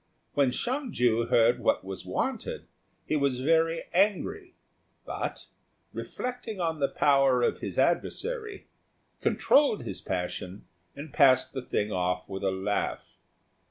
When Hsiang ju heard what was wanted, he was very angry; but, reflecting on the power of his adversary, controlled his passion, and passed the thing off with a laugh.